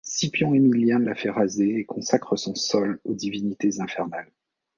Scipion Émilien la fait raser et consacre son sol aux divinités infernales.